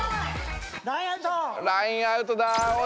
ラインアウトだおしい！